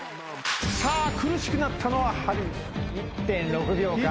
さあ苦しくなったのはハリー。